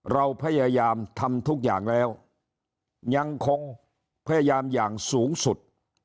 เราพยายามทำทุกอย่างแล้วยังคงพยายามอย่างสูงสุด